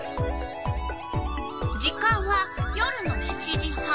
時間は夜の７時半。